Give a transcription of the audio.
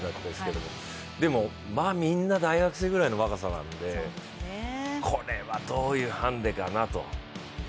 みんな大学生ぐらいの若さなのでこれはどういうハンデかなと。